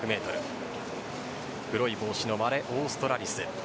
黒い帽子のマレオーストラリス。